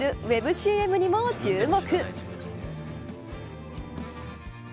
ＣＭにも注目。